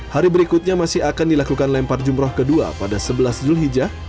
hari berikutnya masih akan dilakukan lempar jumroh kedua pada sebelas julhijjah